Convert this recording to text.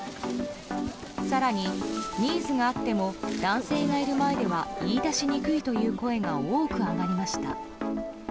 更に、ニーズがあっても男性がいる前では言い出しにくいという声が多く上がりました。